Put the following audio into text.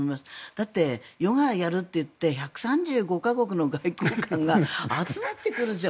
だって、ヨガをやるといって１３５か国の外交官が集まってくるんでしょ。